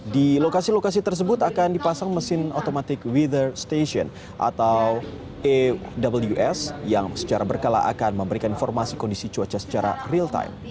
di lokasi lokasi tersebut akan dipasang mesin automatic weather station atau aws yang secara berkala akan memberikan informasi kondisi cuaca secara real time